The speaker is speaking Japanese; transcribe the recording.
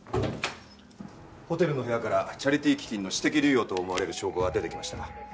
ホテルの部屋からチャリティー基金の私的流用と思われる証拠が出てきました。